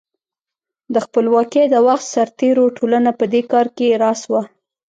د خپلواکۍ د وخت سرتېرو ټولنه په دې کار کې راس وه.